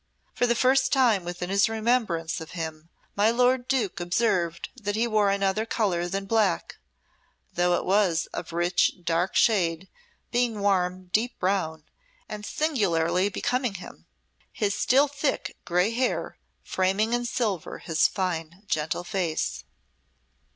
For the first time within his remembrance of him, my lord Duke observed that he wore another colour than black, though it was of rich, dark shade, being warm, deep brown, and singularly becoming him, his still thick grey hair framing in silver his fine, gentle face.